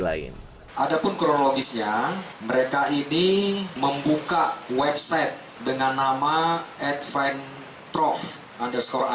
lain adapun kronologisnya mereka ini membuka website dengan nama at fine trough underscore